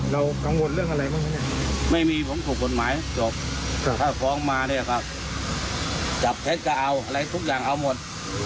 ถ้าฟ้องมาเนี่ยครับจับเท็จก็เอาอะไรทุกอย่างเอาหมด